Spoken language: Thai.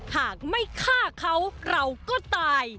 หากไม่ฆ่าเขาเราก็ตาย